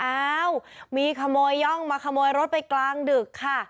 อ้าวมีขโมยย่องมาขโมยรถไปกลางดึกค่ะ